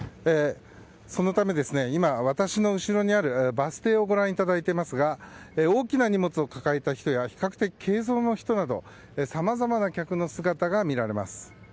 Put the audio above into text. そのため、今、私の後ろにあるバス停をご覧いただいていますが大きな荷物を抱えた人や比較的軽装の人などさまざまな客の姿が見られます。